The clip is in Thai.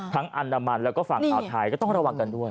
อันดามันแล้วก็ฝั่งอ่าวไทยก็ต้องระวังกันด้วย